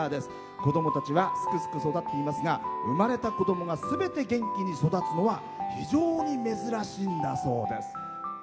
子どもたちはすくすく育っていますが生まれた子どもがすべて元気に育つのは非常に珍しいんだそうです。